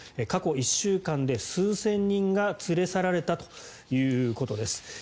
過去１週間で数千人が連れ去られたということです。